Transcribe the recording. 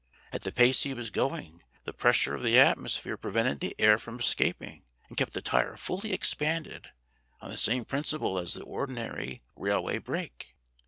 At the pace he was going the pressure of the atmosphere prevented the air from escaping and kept the tire fully expanded, on the same principle as the ordinary railway brake."